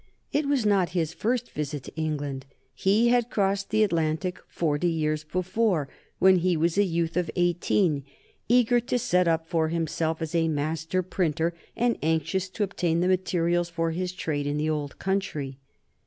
It was not his first visit to England. He had crossed the Atlantic forty years before when he was a youth of eighteen, eager to set up for himself as a master printer, and anxious to obtain the materials for his trade in the old country.